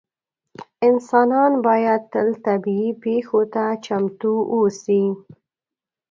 انسانان باید تل طبیعي پېښو ته چمتو اووسي.